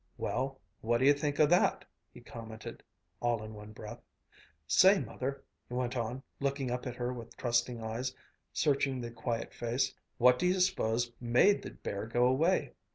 "Well, what d'you think o' that?" he commented, all in one breath. "Say, Mother," he went on, looking up at her with trusting eyes, searching the quiet face, "what do you suppose made the bear go away?